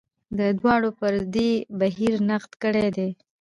دا دواړو پر دې بهیر نقد کړی دی.